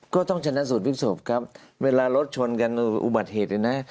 ก็ต้องชนะสูตรพลิกศพครับเวลารถชนกันอุบัติเหตุเลยนะ